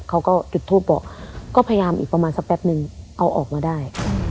เขาก็จุดทูปบอกก็พยายามอีกประมาณสักแป๊บนึงเอาออกมาได้